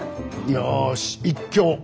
よし一興。